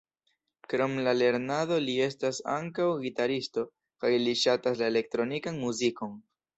Krom la lernado li estas ankaŭ gitaristo kaj li ŝatas la elektronikan muzikon.